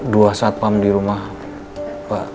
dua satpam di rumah pak